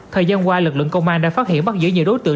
thời gian qua lực lượng công an đã phát hiện bắt giữ nhiều đối tượng